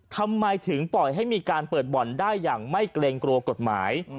ทำไมถึงปล่อยให้มีการเปิดบ่อนได้อย่างไม่เกรงกลัวกฎหมาย